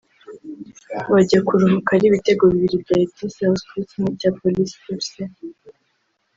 bajya kuruhuka ari ibitego bibiri bya Etincelles kuri kimwe cya Police Fc